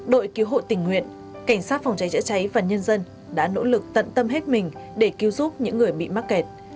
đội cứu hộ tình nguyện cảnh sát phòng cháy chữa cháy và nhân dân đã nỗ lực tận tâm hết mình để cứu giúp những người bị mắc kẹt